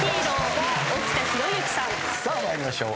さあ参りましょう。